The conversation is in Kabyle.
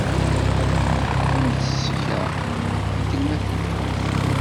Ffɣemt seg-a! Akken ma tellamt!